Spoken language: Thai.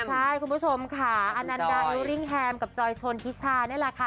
ใช่คุณผู้ชมค่ะอนันดาอิวริ่งแฮมกับจอยชนทิชานี่แหละค่ะ